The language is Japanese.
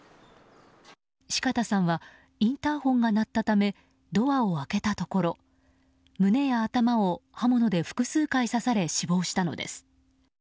四方さんはインターホンが鳴ったためドアを開けたところ胸や頭を刃物で複数回刺され死亡したのです。